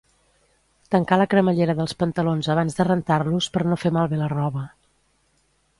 Tancar la cremallera dels pantalons abans de rentar-los per no fer malbé la roba